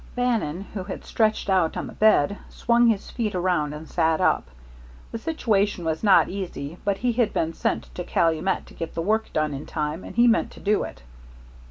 Bannon, who had stretched out on the bed, swung his feet around and sat up. The situation was not easy, but he had been sent to Calumet to get the work done in time, and he meant to do it.